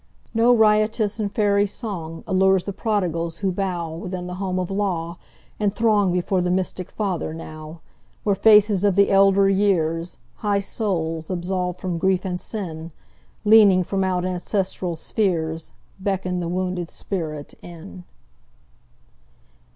No riotous and fairy songAllures the prodigals who bowWithin the home of law, and throngBefore the mystic Father now, Where faces of the elder years, High souls absolved from grief and sin, Leaning from out ancestral spheresBeckon the wounded spirit in.